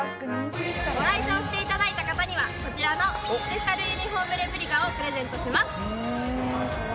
ご来場して頂いた方にはこちらのスペシャルユニフォームレプリカをプレゼントします。